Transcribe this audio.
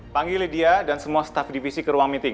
panggil lydia dan semua staff divisi ke ruang meeting